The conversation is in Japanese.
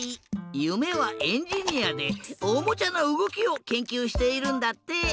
ゆめはエンジニアでおもちゃのうごきをけんきゅうしているんだって！